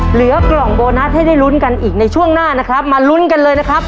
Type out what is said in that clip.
เหลือกล่องโบนัสให้ได้ลุ้นกันอีกในช่วงหน้านะครับมาลุ้นกันเลยนะครับ